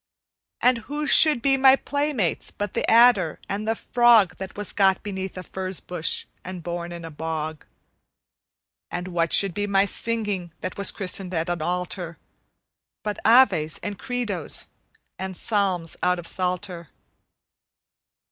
And who should be my playmates but the adder and the frog, That was got beneath a furze bush and born in a bog? And what should be my singing, that was christened at an altar, But Aves and Credos and Psalms out of Psalter?